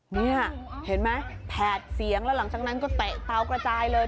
นี่เห็นไหมแผดเสียงแล้วหลังจากนั้นก็เตะเตากระจายเลย